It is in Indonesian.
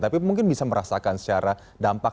tapi mungkin bisa merasakan secara dampak